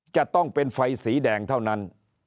จะต้องเป็นไฟสีแดงเท่านั้น